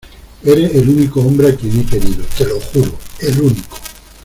eres el único hombre a quien he querido, te lo juro , el único...